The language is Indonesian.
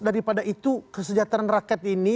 daripada itu kesejahteraan rakyat ini